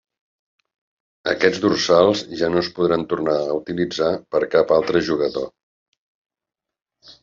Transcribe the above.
Aquests dorsals ja no es podran tornar a utilitzar per cap altre jugador.